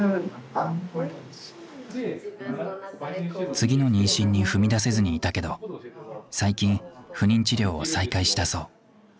次の妊娠に踏み出せずにいたけど最近不妊治療を再開したそう。